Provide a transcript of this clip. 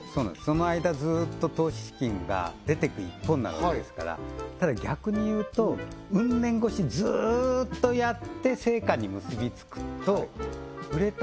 その間ずっと投資資金が出てく一方になるわけですからただ逆にいうとウン年越しずっとやって成果に結びつくと売れた